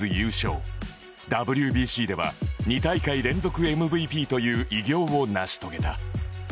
ＷＢＣ では２大会連続 ＭＶＰ という偉業を成し遂げた